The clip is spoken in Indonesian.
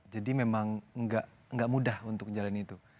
jadi memang gak mudah untuk jalan itu